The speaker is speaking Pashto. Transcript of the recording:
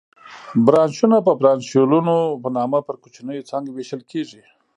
برانشونه په برانشیولونو په نامه پر کوچنیو څانګو وېشل کېږي.